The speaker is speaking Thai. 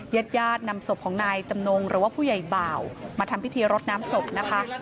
เย็ดนำศพของนายจำนงหรือว่าผู้ใหญ่เบามาทำพิธีรดน้ำศพนะฮะ